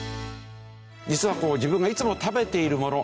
実はこう自分がいつも食べているもの